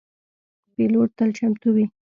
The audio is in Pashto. پیلوټ تل چمتو وي.